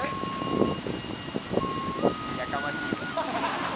やかましいわ！